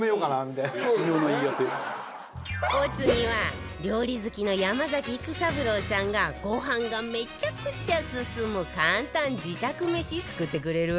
お次は料理好きの山崎育三郎さんがご飯がめちゃくちゃ進む簡単自宅めし作ってくれるわよ